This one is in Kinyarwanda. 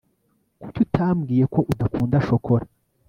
kuki utambwiye ko udakunda shokora